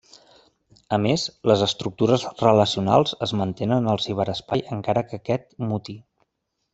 A més, les estructures relacionals es mantenen al ciberespai encara que aquest muti.